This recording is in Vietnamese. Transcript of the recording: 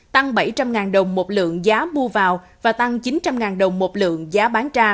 tăng bảy trăm linh đồng một lượng giá mua vào và tăng chín trăm linh đồng một lượng giá bán ra